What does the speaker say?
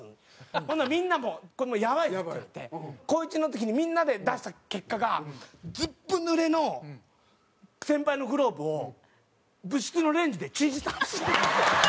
ほんならみんなもこれもうやばいって言って高１の時にみんなで出した結果がズブ濡れの先輩のグローブを部室のレンジでチンしたんですよ。